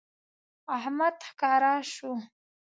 احمد ښکاره شو